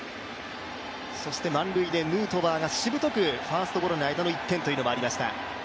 そして満塁でヌートバーがしぶとくファーストゴロの間の１点というのもありました。